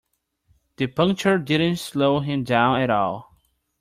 The puncture didn't slow him down at all.